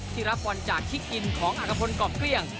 รับบอลจากคิกอินของอักภพลกรอบเกลี้ยง